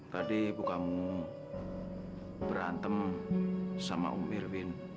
tadi ibu kamu berantem sama umirin